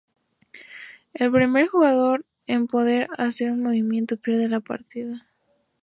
El primer jugador en no poder hacer un movimiento pierde la partida.